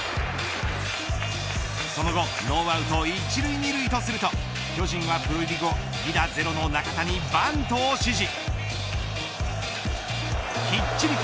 その後ノーアウト１塁２塁とすると巨人はプロ入り後犠打ゼロの中田にバントを指示。